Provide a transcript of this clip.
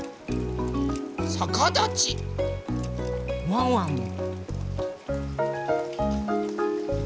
ワンワンも。